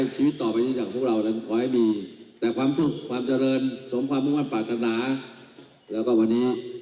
สทุรควรสนุน